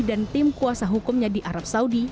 dan tim kuasa hukumnya di arab saudi